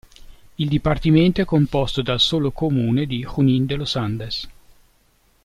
Il dipartimento è composto dal solo comune di Junín de los Andes.